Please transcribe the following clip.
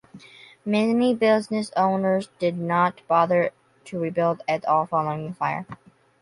Many business owners did not bother to rebuild at all following the fire.